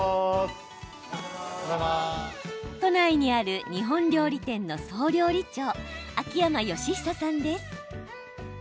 都内にある日本料理店の総料理長秋山能久さんです。